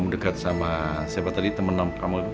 deket sama siapa tadi temen kamu